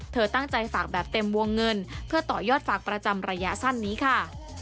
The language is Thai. เธอตั้งใจฝากแบบเต็มวงเงินเพื่อต่อยอดฝากประจำระยะสั้นนี้ค่ะ